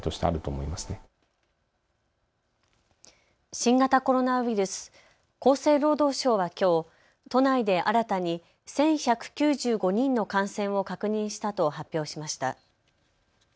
新型コロナウイルス、厚生労働省はきょう都内で新たに１１９５人の感染を確認したと発表しました。